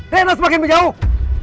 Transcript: reina semakin menjauh